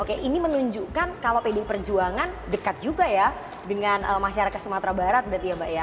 oke ini menunjukkan kalau pdi perjuangan dekat juga ya dengan masyarakat sumatera barat berarti ya mbak ya